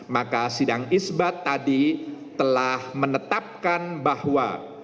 maka sidang isbat tadi telah menetapkan bahwa